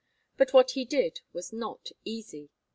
But what he did was not easy.